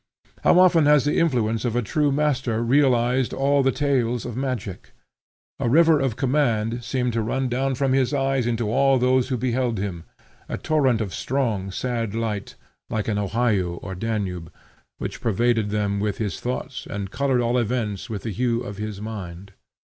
How often has the influence of a true master realized all the tales of magic! A river of command seemed to run down from his eyes into all those who beheld him, a torrent of strong sad light, like an Ohio or Danube, which pervaded them with his thoughts and colored all events with the hue of his mind.